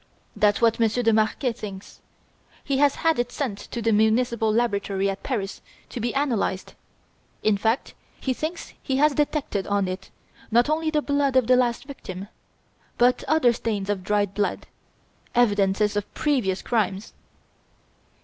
That's what Monsieur de Marquet thinks. He has had it sent to the municipal laboratory at Paris to be analysed. In fact, he thinks he has detected on it, not only the blood of the last victim, but other stains of dried blood, evidences of previous crimes."